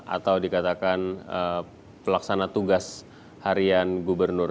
atau dikatakan pelaksana tugas harian gubernur